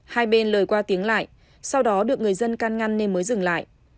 hai bên lời qua tiếng lại sau đó được người dân can ngăn nên mới dừng lại